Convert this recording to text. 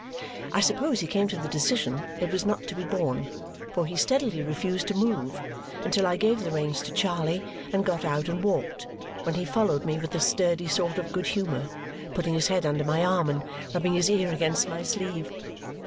I suppose he came to the decision that it was not to be borne, for he steadily refused to move until I gave the reins to Charley and got out and walked, when he followed me with a sturdy sort of good humour, putting his head under my arm and rubbing his ear against my sleeve.